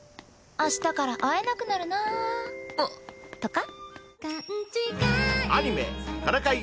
「明日から会えなくなるな」とか？